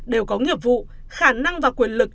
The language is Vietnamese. đều có nghiệp vụ khả năng và quyền lực